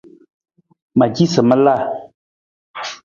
Ma ci sa ma la.